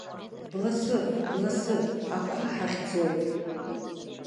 Бласы, бласы, ақәа ҳахьӡоит.